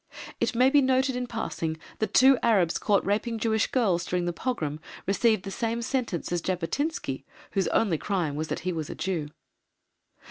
It may be noted in passing that two Arabs caught raping Jewish girls during the pogrom received the same sentence as Jabotinsky, whose only crime was that he was a Jew.